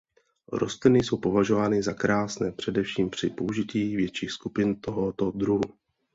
Rostliny jsou považovány za krásné především při použití větších skupin tohoto druhu.